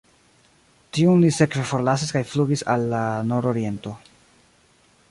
Tiun li sekve forlasis kaj flugis al la nororiento.